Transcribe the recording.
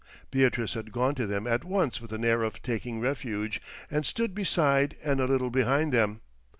Beatrice had gone to them at once with an air of taking refuge, and stood beside and a little behind them.